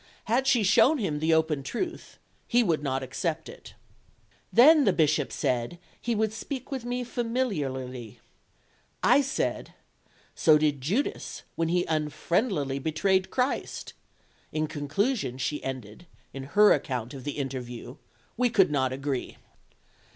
Had she shown him the open truth, he would not accept it. "Then the Bishop said he would speak with me familiarly. I said, 'So did Judas when he unfriendlily betrayed Christ....' In conclusion," she ended, in her account of the interview, "we could not agree."